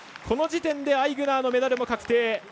この時点でアイグナーのメダルも確定。